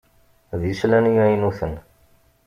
D islan imaynuten.